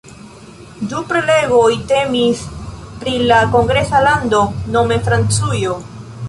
Du prelegoj temis pri la kongresa lando, nome Francujo.